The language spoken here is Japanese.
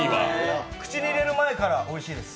口に入れる前からおいしいです。